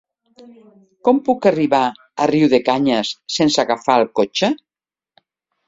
Com puc arribar a Riudecanyes sense agafar el cotxe?